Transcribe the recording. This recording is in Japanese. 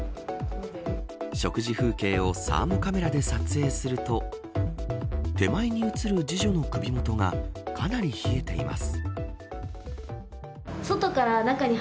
食事風景をサーモカメラで撮影すると手前に映る次女の首元がかなり冷えています。